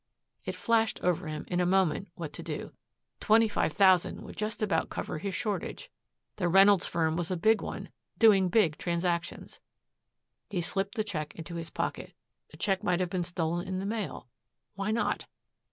It flashed over him in a moment what to do. Twenty five thousand would just about cover his shortage. The Reynolds firm was a big one, doing big transactions. He slipped the check into his pocket. The check might have been stolen in the mail. Why not?